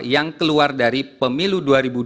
yang keluar dari pemilu dua ribu dua puluh